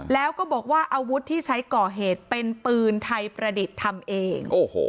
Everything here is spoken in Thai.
แล้วก็บอกว่าอาวุธที่ใช้ก่อเหตุเป็นปืนไทยประดิษฐ์ทำเอง